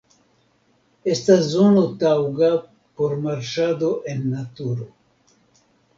Estas zono taŭga por marŝado en naturo.